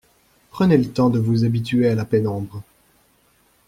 Prenez le temps de vous habituer à la pénombre.